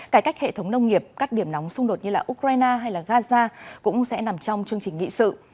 cải cách hệ thống nông nghiệp các điểm nóng xung đột như ukraine hay gaza cũng sẽ nằm trong chương trình nghị sự